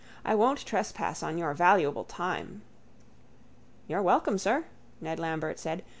I won't trespass on your valuable time... —You're welcome, sir, Ned Lambert said.